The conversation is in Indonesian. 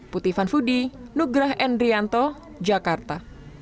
puti van voodie nugrah endrianto jakarta